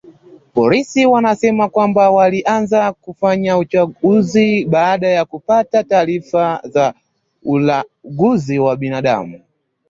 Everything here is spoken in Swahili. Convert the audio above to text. Polisi wamesema kwamba walianza kufanya uchunguzi baada ya kupata taarifa za ulanguzi wa binadamu